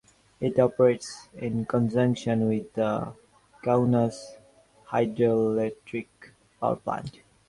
It operates in conjunction with the Kaunas Hydroelectric Power Plant.